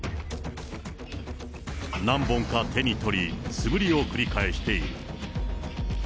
何本か手に取り、素振りを繰り返している。